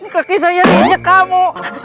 kakek saya diinjek kamu